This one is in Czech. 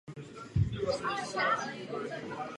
Dnes se v něm nachází ubytovací zařízení.